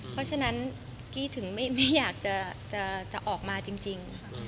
เพราะฉะนั้นกี้ถึงไม่อยากจะออกมาจริง